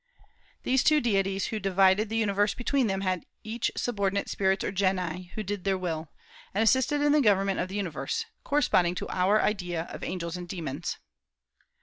These two deities who divided the universe between them had each subordinate spirits or genii, who did their will, and assisted in the government of the universe, corresponding to our idea of angels and demons.